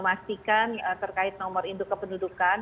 memastikan terkait nomor induk kependudukan